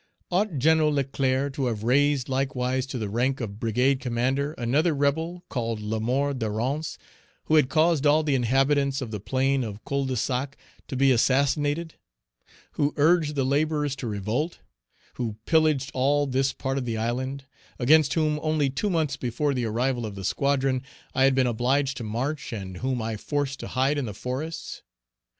Ought Gen. Leclerc to have raised likewise to the rank of brigade commander another rebel, called L'Amour Desrances, who had caused all the inhabitants of the Plain of Cul de Sac to be assassinated; who urged the laborers to revolt; who pillaged all Page 309 this part of the island; against whom, only two months before the arrival of the squadron, I had been obliged to march, and whom I forced to hide in the forests?